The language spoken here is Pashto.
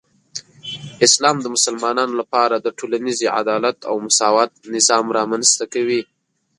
اسلام د مسلمانانو لپاره د ټولنیزې عدالت او مساوات نظام رامنځته کوي.